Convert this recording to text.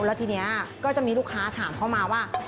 แล้วทีนี้ก็จะมีลูกค้าถามเข้ามาว่า